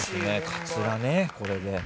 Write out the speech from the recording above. かつらねこれで。